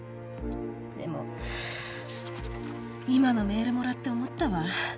でも今のメールもらって思ったわ。